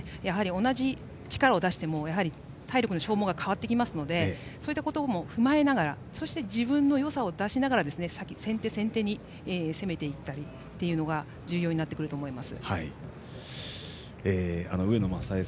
同じ力を出しても体力の消耗が変わってきますのでそういったことも踏まえて自分のよさを出しながら先手先手に攻めていきたいというのが重要になってくると思います。